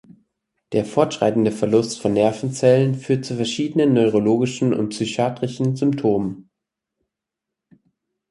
Der fortschreitende Verlust von Nervenzellen führt zu verschiedenen neurologischen und psychiatrischen Symptomen.